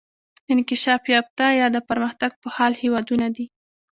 انکشاف یافته یا د پرمختګ په حال هیوادونه دي.